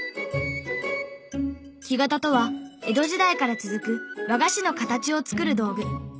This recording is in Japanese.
木型とは江戸時代から続く和菓子の形を作る道具。